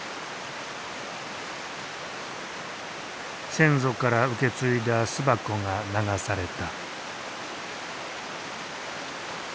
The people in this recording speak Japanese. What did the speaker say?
先祖から受け継いだ巣箱が流された。